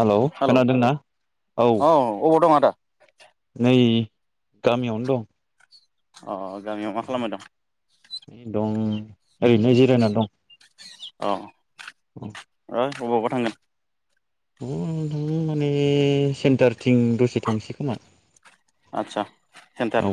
Hello खोनादोंना? औ। ा [unintelligible] नै गामियावनो दं। अ। गामियाव मा खालामबाय दं? दं दं ओरैनो जिरायना दं। अ। औ। दा अबावबा थांगोन? ओ नोंथां माने सेन्टारथिं दसे थांसै खोमा। आतसा ‌। सेन्टार औ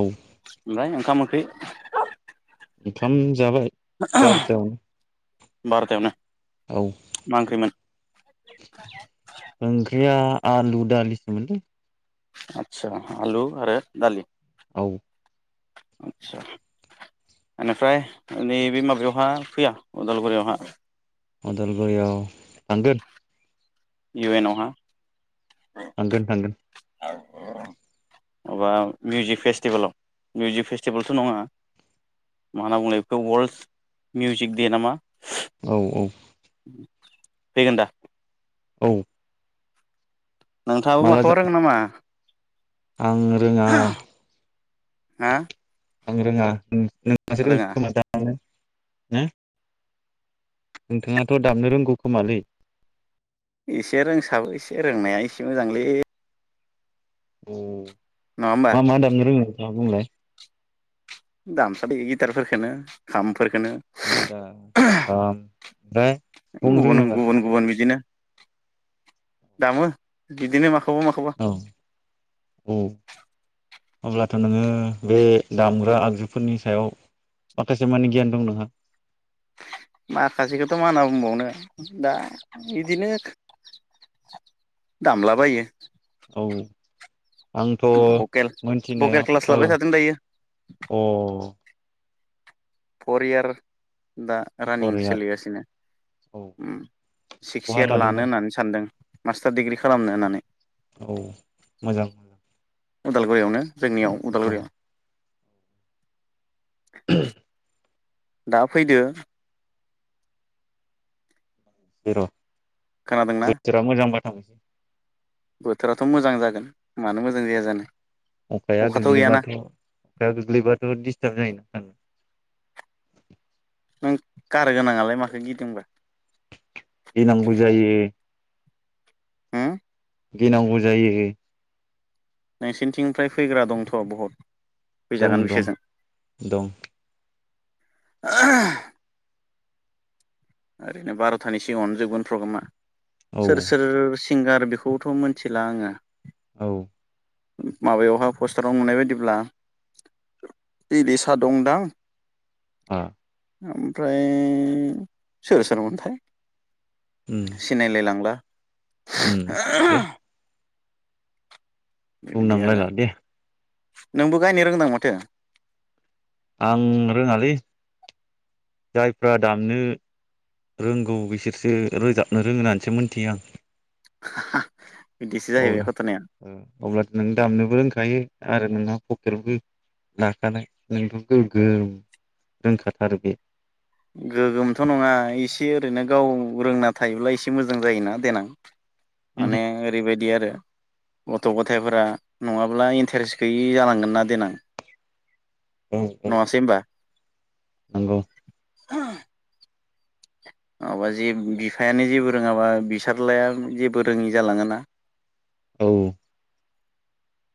औ ओंखाम है ओंखाम जाबाय ‌। बार'तायावनो औ मा ओंख्रिमोन? ओंख्रिया आलु दालिसो मोनलै ‌। आतसा आलु आरो दालि। औ। आतसा ओनिफ्राय नै बे माबायावहा फैया उदालगुरियावहा? अदालगुरियाव थांगोन ‌। इउ एन आवहा। थांगोन थांगोन ‌। माबा मिउजिक फेस्टिभेलाव मिउजिक फेस्टिभेलथ' नङा मा होनना बुङोलाय बेखौ वर्ल्ड मिउजिक दे नामा? औ औ। फैगोन दा? औ। नोंथाङाबो माला जा माखौबा रोङो नामा? आं रोंङा हा आं रोंङा नोंथांङासो रोंगोन रोङा खोमा दानो हो नोंथाङाथ' दामनो रोंगौ खोमालै एसे रोंसाबो एसे रोंनाया एसे मोजांलै अ नङा होमबा मा मा दामनो रोंङो नोंथाङा बुंलाय दामसाबो इ गिटारखनो खाम फोरखोनो हो [inaudible] गुबुन गुबुन गुबुन बिदिनो [unintelligible] दामो बिदिनो माखा औ औ अब्लाथ' नोंङो बे दामग्रा आगजुफोरनि सायाव माखासे माने गियान दं नोंहा माखासेखौथ' मा होनना बुंबावनो दा बिदिनो दामलाबायो औ आंथ' भकेल भकेल क्लास मोनथिनायाव लाबाय थादों दायो ओ अ परियार दा रानिं फरियार सोलिगासिनो औ उम सिक्स बहा इयार लानो लादोंबा होननानै सानदों मास्टार डिग्रि खालामनो होननानै औ मोजां मोजां उदालगुरियावनो जोंनियाव औ उदालगुरियाव [unintelligible] दा फैदो [unintelligible] खोनादोंना बोथोरा मोजांबा [unintelligible] बोथोराथ' मोजां जागोन मानो मोजां जाया जानो अखाया अखाथ' गैयाना गोग्लैबाथ' अखाया गोग्लैबाथ' दिसथाब जायोना नों कार गोनांआलाय माखो गिदोंबा गिनांगौ जायो होम गिनांगौ जायो नोंसोरनिथिंनिफ्राय फैग्रा दंथ' बहुत दं दं दं [unintelligible] ओरैनो बार'थानि सिगांआवनो फ्रग्रामा औ सोर सोर सिं सिंगार बेखौथ' मिथिला आङो औ। माबायावहाय पस्टाराव नुनाय बायदिब्ला इलिसा दंदां। [unintelligible] ओमफ्राय। सोर सोरमोनथाय उम सिनायलायलांला। उम [unintelligible] बेबायदि आरो बुंनांलायला दे। नोंबो गायनो रोंदां माथो। आं रोङालि जायफ्रा दामनो रोंगौ बिसोरसो रोजाबनो रोङो होननानैसो मोनथियो आं। [unintelligible] जाहैबाय अब्ला घटनाया अब्ला नों दामनोबो रोंखो। [unintelligible] आरो नोंहा पकेटबो लाखानाय नोंथ' गोग्गोम रोंखाथारो बे गोगोमथ' नङा एसे ओरैनो गाव रोंना थायोब्ला एसे मोजां जायोना देनां। माने ओरैबायदि आरो। गथ' गथायफोरा नङाब्ला इन्टारेस्ट गैयि जालांगोन ना देनां। औ औ नङासै होमबा। नंगौ [unintelligible] माबा जे बिफायानो जेबो रोङाबा फिसालाया जेबो रोङि जालाङोना। औ।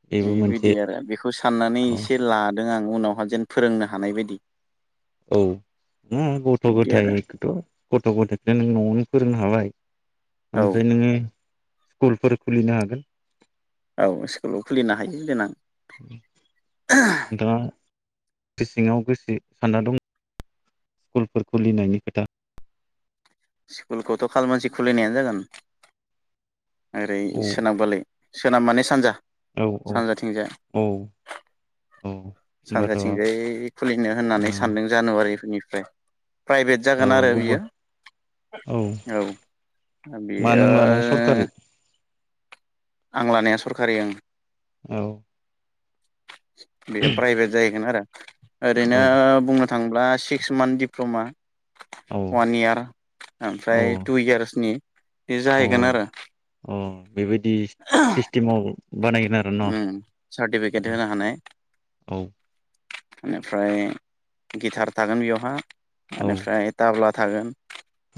बेबो मोनसे बेबायदि आरो बेखौ साननानै औ एसे लादों आं। उनावहा जेन फोरोंनो हानाय बायदि औ ओम गथ' बिब्दि आरो गथायाइखौथ' गथ' गथायाइखौनो नों न'आवनो फोरोंनो हाबाय औ ओमफ्राय नोङो स्कुलफोर खुलिनो हागोन। औ स्कुलाव खुलिनो हायो देनां। नोंथाङा गोसो सिङाव गोसो सानना दङ स्कुलफोर खुलिनायनि खोथा। स्कुलखौथ' खालमानसि खुलिनायानो जागोन। ओरै औ सोनाबगालै। सोनाब माने सानजा औ औ सानजाथिंजाय औ औ होमबाथ' ओ सानजाथिंजाय खुलिनो होननानै सानदों जानुवारि [unintelligible] प्राइभेट औ जागोन आरो गुबुन बियो, औ औ मा बेयो। नों लानाया सरखारि आं लानाया सरखारि ओं। औ बेयो प्राइभेट जाहैगोन आरो ओरैनो औ बुंनो थांब्ला सिक्स मान्थ डिप्ल'मा औ वान इयार औ ओमफ्राय टु इयार्सनि बे अ जाहैगोन आरो अ बेबायदि सिस्टेमाव बानायगोन आरो न' उम औ सार्टिफिकेट होनो हानाय औ बेनिफ्राय गिटार थागोन बेयावहा औ बेनिफ्राय ताब्ला थागोन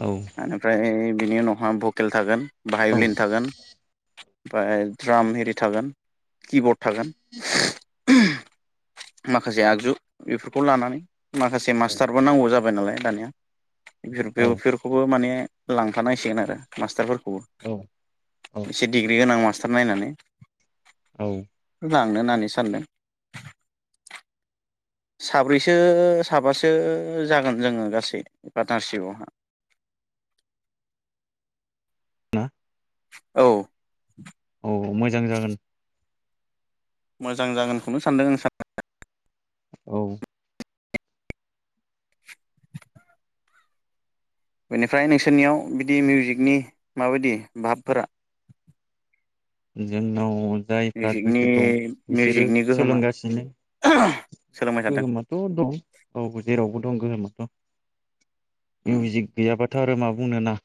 औ एनिफ्राय बिनि उनावहा भकेल थागोन। औ बाहायलिन थागोन ओमफ्राय ड्राम एरि थागोन। किबर्ड थागोन माखासे आगजु बेफोरखौ लानानै माखासे मास्टारबो नांगौ जा बाय नालाय दानिया [unintelligible] बेफोरखौबो माने लांफानांसिगोन आरो मास्टारफोर औ औ [unintelligible] एसे डिग्रि गोनां मास टार नायनानै औ लांनो होननानै सानदों। साब्रैसो साबासो जागोन जोङो गासै पार्टनारशिपआवहा [unintelligible] औ औ मोजां जागोन। मोजां जागोनखौनो सानदों आं सान [unintelligible] औ बेनिफ्राय नोंसोरनियाव बिदि मिउजिकनि माबायदि भाबफोरा? जोंनाव जायफ्रा मिउजिकनि गोसो दं बिसोरो मिउजिकनि गोहोमा सोलोंगासिनो। सोलोंबाय थादों गोहोमाथ' दं औ जेरावबो दं गोहोमाथ उम मिउजिक गैयाबा बेखौथ आरो मा बुंनो ना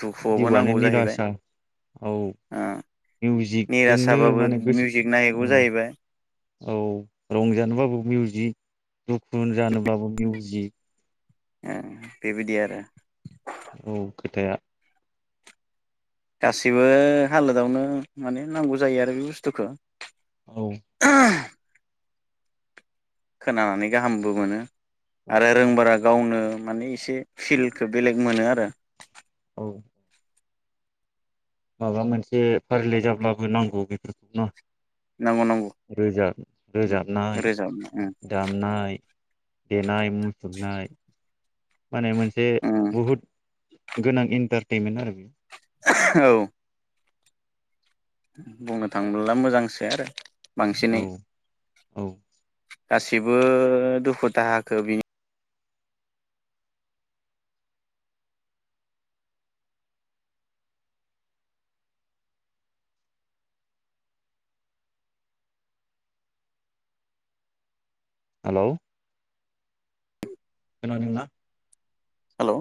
दुखुआवबो जिउवानो नांगौ जाहैबाय निरासा औ ओ मिउजिकजोंनो निरासाबाबो माने गोसो मिउजिक नांहैगौ जाहैबाय। औ रंजानोबाबो मिउजिक दुखु जानोबाबो मिउजिक ए बेबायदि आरो नंगौ खोथाया गासैबो हालोदावनो माने नांगौ जायो आरो बे बुस्थुखौ। औ ओ खोनानानै गाहामबो मोनो औ आरो रों बाराग गावनो माने एसे फिल्खौ बेलेग मोनोआरो औ माबा मोनसे फारिलाइ जाब्लाबो नांगौ बेफोरखौनो नांगौ रोजाब नांगौ रोजाबनाय रोजाबनो उम दामनाय-देनाय मु सुरनाय माने मोनसे उम बहुद गोनां इन्टारटेनमेन्ट आरो औ बुंनो थाङोब्ला मोजांसो आरो औ बांसिनै औ गासिबो दुखु दाहाखो बिनि हेलौ खोनादोंना हेल'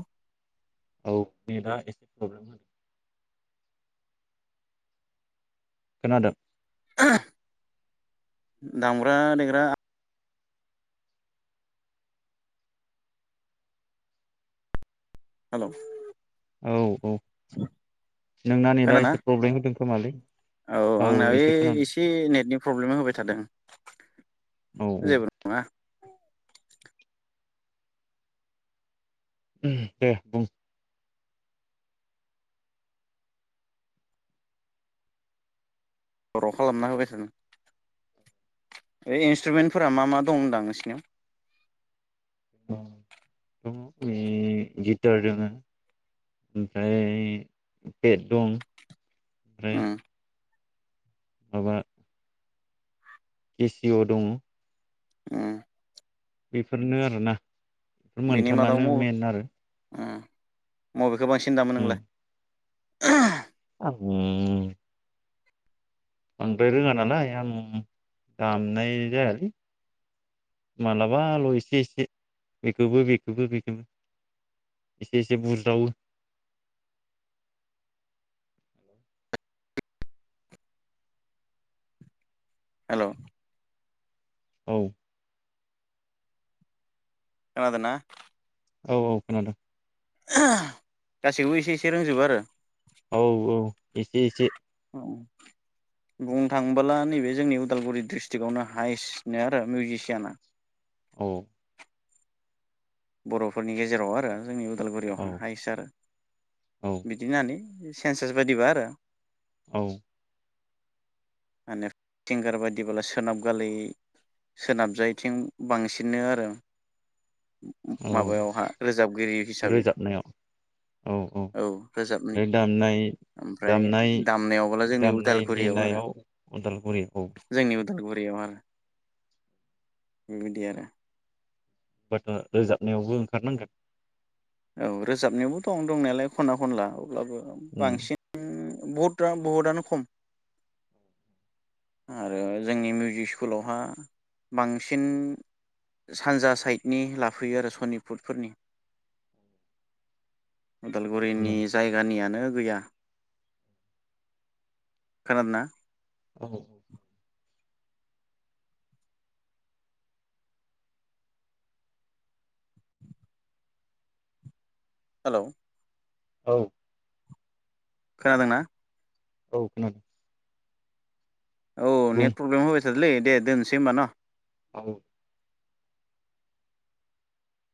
औ नेटआ एसे प्रब्लेम खोनादों दामग्रा देग्रा हेल' औ औ नोंना नेटा खोनादोंना एसे प्रब्लेम होदों खोमालै औ आंना बे एसे खोनादों नेटनि प्रब्लेम होबाय थादों औ औ जेबो नङा दे बुं खर' खालामना होबाय थादों एइ इन्सट्रुमेन्टफोरा मा मा दं होनदों आं नोंसिनियाव दङ गिटार दङ ओमफ्राय पेट दं ओमफ्राय उम माबा केसिअ' दङ ओम बेफोरनो आरोना बेफोर बेनि मादाव मोनथामानो मेन आरो [unintelligible] मबे गोबांसिन दामो उम नोंलाय [inaudible] [unintelligible] बांद्राय रोङा नालाय आं दामनाय जायालै मालाबाल' एसे एसे बेखौबो बेखौबो बेखौबो एसे एसे बुरज्रावो हेलौ औ खोनादोना औ औ खोनादों गासैखौबो एसे एसे रोंजोबो आरो औ औ एसे एसे आरो बुंनो थाङोबोला नैबे जोंनि उदालगुरि डिस्ट्रिकआवनो हायेस्टनो आरो मिउजिसियाना औ बर'फोरनि गेजेराव आरो जोंनि औ उदालगुरियावहा हायसारो औ बिदि होन्नानै सेनसास बायदिबा आरो? औ माने थिंगार बायदिला सोनाब गालै सोनाबजायथिं बांसिनो आरो औ माबायावहा रोजाबगिरि हिसाबै रोजाबनायाव औ रोजाबनि बे दामनाय ओमफ्राय दामनाय दामनायावबोला जोंनि दामनाय उदालगुरिआव आरो देनायाव उदालगुरि औ जोंनि उदालगुरियाव आरो बिदि आरो होनबाथ' रोजाबनायावबो ओंखारनांगोन? औ रोजाबनायावबो दं दंनायालाय खना खनला अब्लाबो उम बांसिन बहुद बहुदआनो खम आरो जोंनि मिउजिक स्कुलावहा बांसिन सानजा साइडनि लाफैयो आरो सनिटफुरफोरनि उदालगुरिनि जायगानिया नो [unintelligible] खोनादोंना? औ हेलौ औ खोनादोंना? औ खोनादों औ बुं नेट प्रब्लेम [unintelligible] दे दोनसै हबा न'? औ